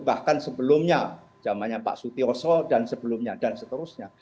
bahkan sebelumnya zamannya pak sutioso dan sebelumnya dan seterusnya